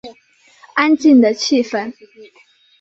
安静的气氛